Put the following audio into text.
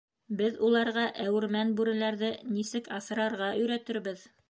— Беҙ уларға әүермән бүреләрҙе нисек аҫрарға өйрәтербеҙ!